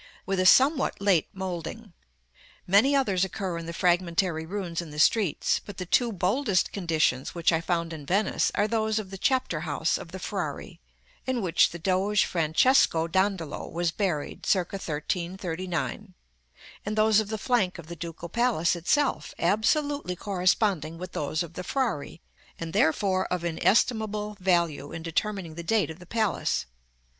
with a somewhat late moulding. Many others occur in the fragmentary ruins in the streets: but the two boldest conditions which I found in Venice are those of the Chapter House of the Frari, in which the Doge Francesco Dandolo was buried circa 1339; and those of the flank of the Ducal Palace itself absolutely corresponding with those of the Frari, and therefore of inestimable value in determining the date of the palace.